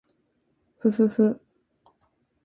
ふふふ